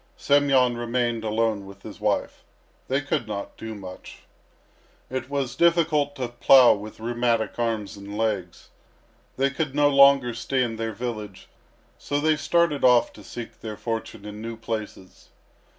Semyon remained alone with his wife. They could not do much. It was difficult to plough with rheumatic arms and legs. They could no longer stay in their village, so they started off to seek their fortune in new places.